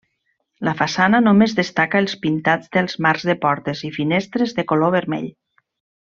La façana només destaca els pintats dels marcs de portes i finestres de color vermell.